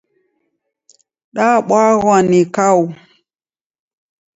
Dabwaghwa ni kau.